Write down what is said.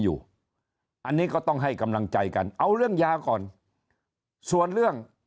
อยู่อันนี้ก็ต้องให้กำลังใจกันเอาเรื่องยาก่อนส่วนเรื่อง